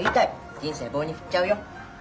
人生棒に振っちゃうよ。